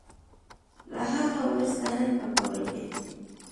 له هغه وروسته هند په کابل کې